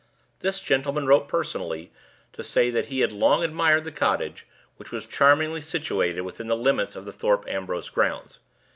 This gentleman wrote personally to say that he had long admired the cottage, which was charmingly situated within the limits of the Thorpe Ambrose grounds.